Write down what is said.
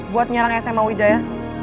buat nyerang sma wijaya